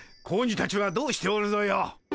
子鬼たちはどうしておるぞよ。